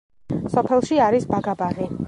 სოფელში არის ბაგა-ბაღი.